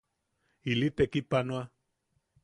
Ili tekipanoa.